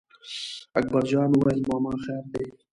اکبر جان وویل: ماما خیر دی.